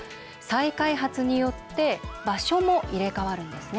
再開発によって場所も入れ替わるんです。